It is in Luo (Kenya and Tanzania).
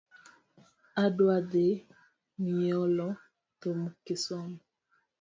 Adwa dhii mielo thum kisumu .